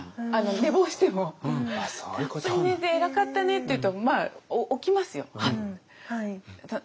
寝坊しても「たっぷり寝て偉かったね」って言うとまあ起きますよハッて。